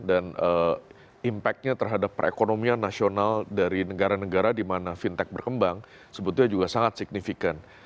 dan impact nya terhadap perekonomian nasional dari negara negara di mana fintech berkembang sebetulnya juga sangat signifikan